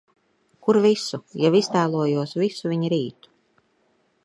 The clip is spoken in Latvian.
Kur visu. Jau iztēlojos visu viņa rītu.